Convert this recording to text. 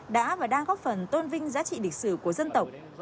đã và đang góp phần tôn vinh giá trị lịch sử của dân tộc